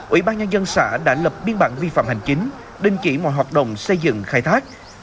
ủy ban nhân dân xã đã lập biên bản vi phạm hành chính đình chỉ mọi hoạt động xây dựng khai thác